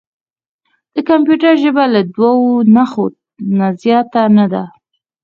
د کمپیوټر ژبه له دوه نښو نه زیاته نه ده.